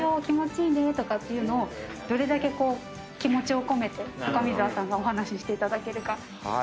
「気持ちいいね」とかっていうのをどれだけこう気持ちを込めて高見沢さんがお話ししていただけるか。